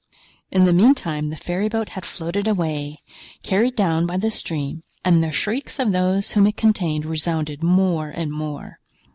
In the meantime, the ferryboat had floated away, carried down by the stream, and the shrieks of those whom it contained resounded more and more.